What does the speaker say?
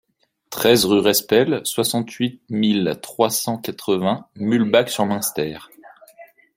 treize rue Respel, soixante-huit mille trois cent quatre-vingts Muhlbach-sur-Munster